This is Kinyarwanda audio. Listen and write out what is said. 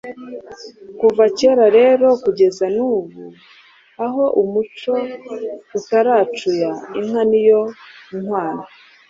Kuva kera rero kugeza n’ubu aho umuco utaracuya, inka ni yo nkwano.